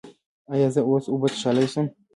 ایا زه اوس اوبه څښلی شم؟